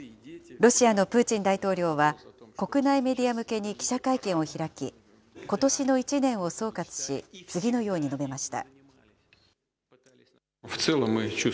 ロシアのプーチン大統領は、国内メディア向けに記者会見を開き、ことしの１年を総括し、次のように述べました。